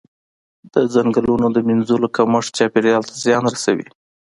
د ځنګلونو د مینځلو کمښت چاپیریال ته زیان رسوي.